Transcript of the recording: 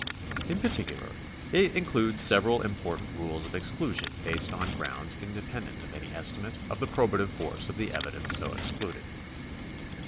In particular it includes several important rules of exclusion based on grounds independent of any estimate of the pro bative force of the evidence so excluded.